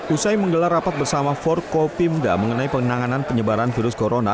usai menggelar rapat bersama forkopimda mengenai penanganan penyebaran virus corona